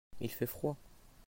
Il fait froid ?